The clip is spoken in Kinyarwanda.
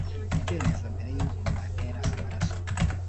kubyemeza, mbere yuko antera amaraso